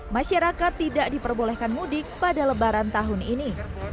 masyarakat tidak diperbolehkan mudik pada lebaran tahun ini